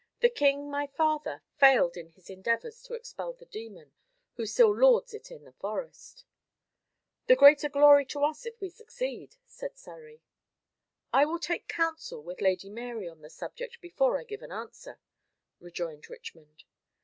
"The king, my father, failed in his endeavours to expel the demon, who still lords it in the forest." "The greater glory to us if we succeed," said Surrey. "I will take counsel with Lady Mary on the subject before I give an answer," rejoined Richmond.